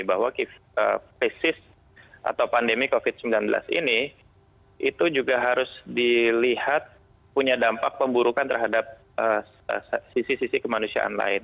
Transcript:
bahwa krisis atau pandemi covid sembilan belas ini itu juga harus dilihat punya dampak pemburukan terhadap sisi sisi kemanusiaan lain